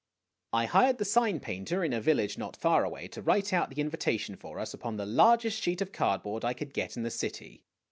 I hired the sign painter in a village not far away to write out the invitation for us upon the largest sheet of cardboard I could get in the city.